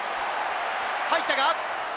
入ったか？